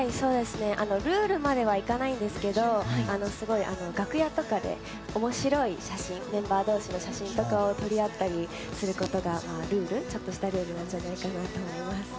ルールまではいかないんですけど楽屋とかで、面白い写真メンバー同士の写真とかを撮り合ったりすることがちょっとしたルールじゃないかと思います。